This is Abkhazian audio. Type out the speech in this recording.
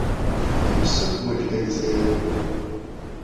Иԥсыԥ мыжда изеивгом.